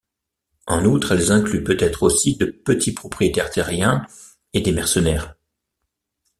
En outre, elles incluent peut-être aussi de petits propriétaires terriens et des mercenaires.